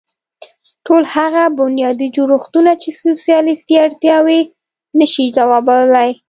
ټول هغه بنیادي جوړښتونه چې سوسیالېستي اړتیاوې نه شي ځوابولی.